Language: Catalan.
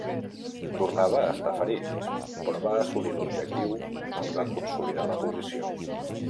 Tornava a estar ferit, però va assolir l'objectiu i va consolidar la posició.